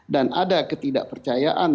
dan ada ketidak percayaan